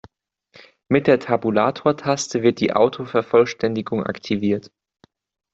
Mit der Tabulatortaste wird die Autovervollständigung aktiviert.